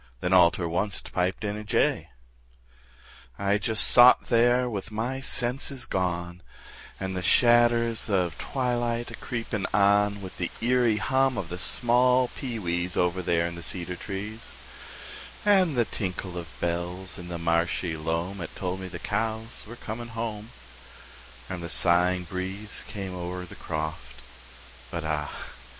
Then all ter onct piped in a jay. I just sot there with my senses gone, And the shadders of twilight a creepin' on, With the eerie hum of the small pee wees, Over there in the cedar trees, And the tinkle of bells in the marshy loam 'At told me the cows were coming home, And the sighing breeze came o'er the croft, But ah!